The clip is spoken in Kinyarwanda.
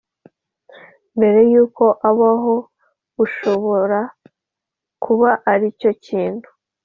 Mbere y uko abaho bushobora kuba ari cyo kintu